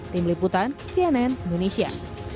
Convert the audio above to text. tim liputan cnn indonesia